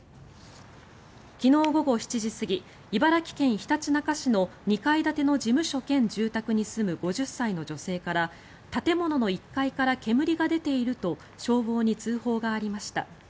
昨日午後７時過ぎ茨城県ひたちなか市の２階建ての事務所兼住宅に住む５０歳の女性から建物の１階から煙が出ていると消防に通報がありました。